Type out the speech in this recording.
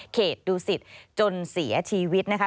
เขตดูสิทธิ์จนเสียชีวิตนะคะ